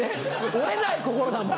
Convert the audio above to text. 折れない心がもう。